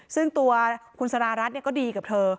ซึ่งตัวคุณสารารัฐก็ดีกับเธอ